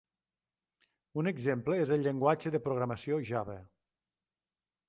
Un exemple és el llenguatge de programació Java.